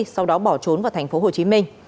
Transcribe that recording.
sau đó bỏ trốn vào tp hcm